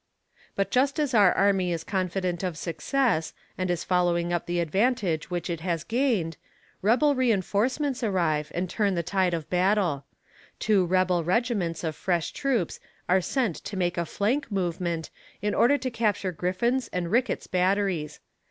But just as our army is confident of success, and is following up the advantage which it has gained, rebel reinforcements arrive and turn the tide of battle. Two rebel regiments of fresh troops are sent to make a flank movement in order to capture Griffin's and Rickett's batteries.